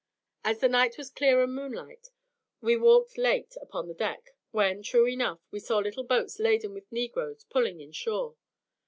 As the night was clear and moonlight we walked late upon deck, when, true enough, we saw little boats laden with negroes pulling in shore.